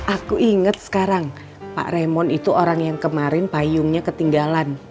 aku ingat sekarang pak remon itu orang yang kemarin payungnya ketinggalan